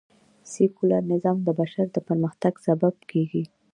سکیولر نظام د بشر د پرمختګ سبب کېږي